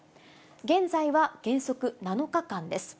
現在は原則７日間です。